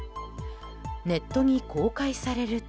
ネットに公開されると。